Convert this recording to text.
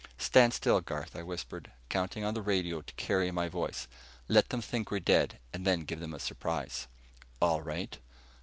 "Stand still, Garth," I whispered, counting on the radio to carry my voice. "Let them think we're dead, and then give them a surprise." "All right."